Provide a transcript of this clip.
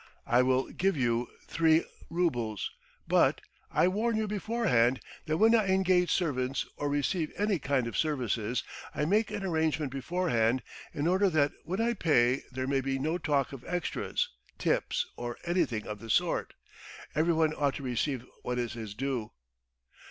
I will give you three roubles, but ... I warn you beforehand that when I engage servants or receive any kind of services, I make an arrangement beforehand in order that when I pay there may be no talk of extras, tips, or anything of the sort. Everyone ought to receive what is his due."